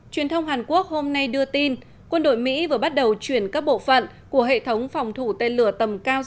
truyền thông hàn quốc hôm nay đưa tin quân đội mỹ vừa bắt đầu chuyển các bộ phận của hệ thống phòng thủ tên lửa tầm cao